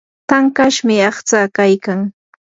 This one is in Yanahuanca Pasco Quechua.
tankashmi aqtsaa kaykan.